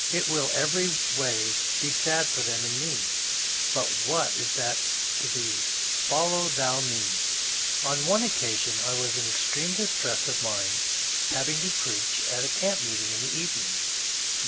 It will every way be sad for them and me, — but * what is that to thee — f oUow thou me I '" On one occasion I was in extreme distress of mind, having to preach at a camp meeting in the evening.